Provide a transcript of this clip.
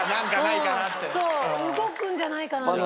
動くんじゃないかなみたいな。